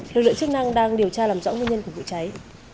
các ngành chức năng đang điều tra làm rõ nguyên nhân của vụ cháy